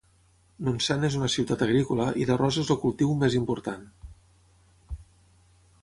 Nonsan és una ciutat agrícola, i l'arròs és el cultiu més important.